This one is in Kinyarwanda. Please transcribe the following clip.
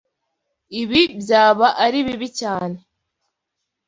Ibi byaba ari bibi cyane.